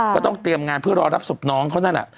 ก็ต้องเตรียมงานเพื่อรอรับศพน้องเขานั่นแหละ